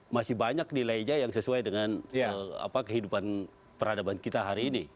masih banyak nilainya yang sesuai dengan kehidupan peradaban kita hari ini